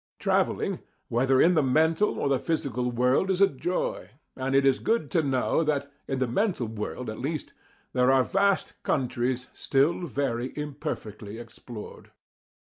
Travelling, whether in the mental or the physical world, is a joy, and it is good to know that, in the mental world at least, there are vast countries still very imperfectly explored.